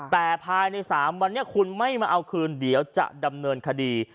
แต่ภายใน๓วันนี้คุณไม่มาเอาคืนเดี๋ยวจะดำเนินคดี